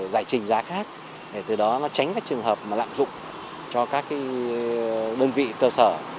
giải trình giá khác để từ đó tránh các trường hợp lạm dụng cho các đơn vị cơ sở